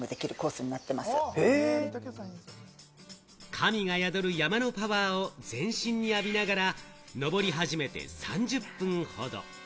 神が宿る山のパワーを全身に浴びながら、登り始めて３０分ほど。